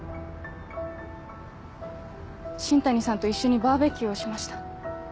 新谷さんと一緒にバーベキューをしました。